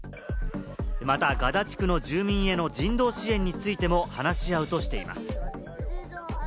またガザ地区の住民への人道支援についても、話し合うとしています。